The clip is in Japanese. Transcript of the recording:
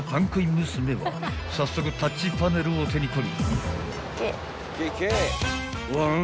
［早速タッチパネルを手に取り］